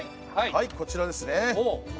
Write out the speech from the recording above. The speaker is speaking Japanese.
はいこちらですね。